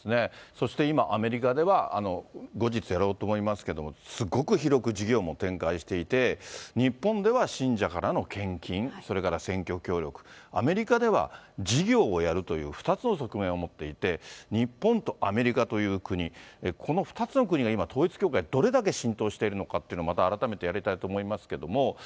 そして今、アメリカでは後日やろうと思いますけど、すごく広く事業も展開していて、日本では信者からの献金、それから選挙協力、アメリカでは事業をやるという２つの側面を持っていて、日本とアメリカという国、この２つの国が今、統一教会、どれだけ浸透しているのかというのを、また改めてやりたいと思いますけれども。